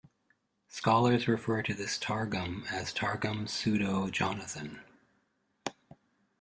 Scholars refer to this "targum" as Targum Pseudo-Jonathan.